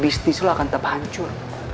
bisnis lo akan terpancur